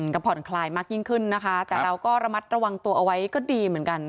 ก็ผ่อนคลายมากยิ่งขึ้นนะคะแต่เราก็ระมัดระวังตัวเอาไว้ก็ดีเหมือนกัน